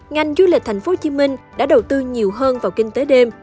ngành du lịch thành phố hồ chí minh đã đầu tư nhiều hơn vào kinh tế đêm